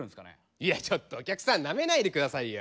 いやちょっとお客さんなめないで下さいよ。